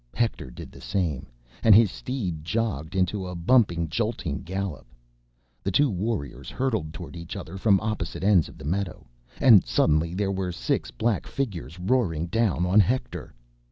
Hector did the same, and his steed jogged into a bumping, jolting gallop. The two warriors hurtled toward each other from opposite ends of the meadow. And suddenly there were six black figures roaring down on Hector!